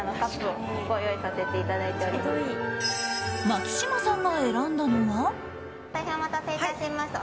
松嶋さんが選んだのは。